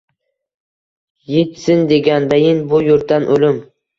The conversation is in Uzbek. Yitsin degandayin bu yurtdan o’lim